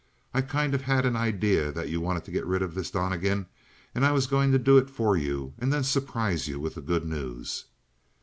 I kind of had an idea that you wanted to get rid of this Donnegan, and I was going to do it for you and then surprise you with the good news."